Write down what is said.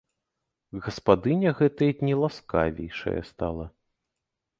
Гаспадыня гэтыя дні ласкавейшая стала.